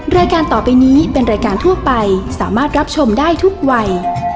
รายการต่อไปนี้เป็นรายการทั่วไปสามารถรับชมได้ทุกวัย